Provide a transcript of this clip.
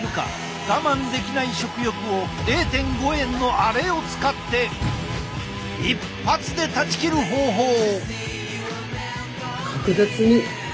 我慢できない食欲を０．５円のアレを使って一発で断ち切る方法を！